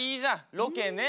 ロケね。